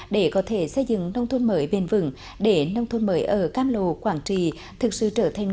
để có thể xây dựng nông thôn mới bền vững để nông thôn mới ở cam lô quảng trì thực sự trở thành